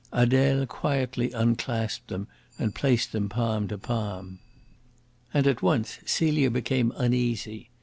Adele quietly unclasped them and placed them palm to palm. And at once Celia became uneasy.